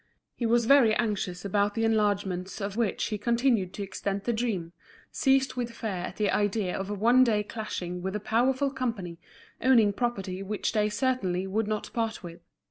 He was very anxious about the enlargements of which he continued to extend the dream, seized with fear at the idea of one day clashing with a powerful company, owning property which they certainly would not part with.